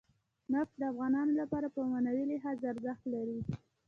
نفت د افغانانو لپاره په معنوي لحاظ ارزښت لري.